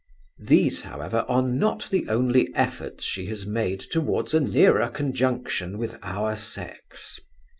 These, however, are not the only efforts she has made towards a nearer conjunction with our sex.